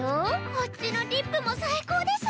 こっちのディップも最高です！